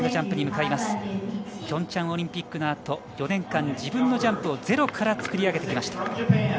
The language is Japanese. ピョンチャンオリンピックのあと４年間自分のジャンプをゼロから作り上げてきました。